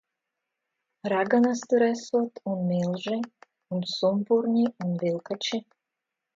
Raganas tur esot un milži. Un sumpurņi un vilkači.